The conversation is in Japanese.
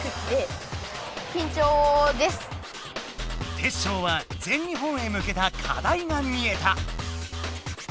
テッショウは全日本へ向けたかだいが見えた。